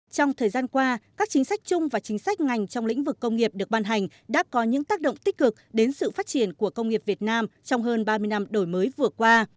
trong thời gian qua các chính sách chung và chính sách ngành trong lĩnh vực công nghiệp được ban hành đã có những tác động tích cực đến sự phát triển của công nghiệp việt nam trong hơn ba mươi năm đổi mới vừa qua